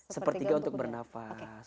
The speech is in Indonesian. sepertiga untuk bernafas